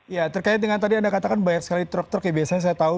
ya terkait dengan tadi anda katakan banyak sekali truk truk ya biasanya saya tahu